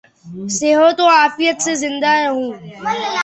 صحت و عافیت سے زندہ رہوں